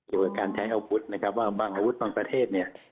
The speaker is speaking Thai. เกี่ยวกับการใช้อาวุธนะครับว่าบางอาวุธบางประเทศเนี่ย